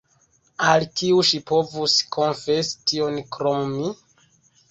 Al kiu ŝi povus konfesi tion krom mi?